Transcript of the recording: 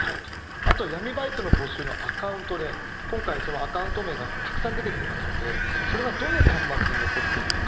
あと、闇バイト募集のアカウントで今回、そのアカウント名がたくさん出てきますのでそれがどの端末に残っているのか。